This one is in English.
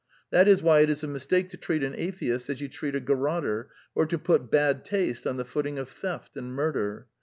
That is why it is a mistake to treat an atheist as you treat a garotter, or to put " bad taste " on the footing of theft and murder.